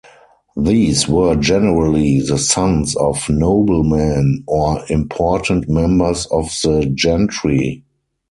These were generally the sons of noblemen or important members of the gentry.